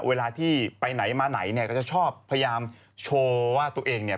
เวลาที่ไปไหนมาไหนเนี่ยก็จะชอบพยายามโชว์ว่าตัวเองเนี่ย